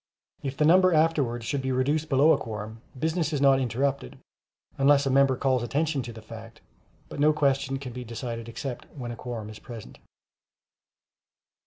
If the number afterwards should be reduced below a quorum, business is not interrupted, unless a member calls attention to the fact; but no question can be decided except when a quorum is present.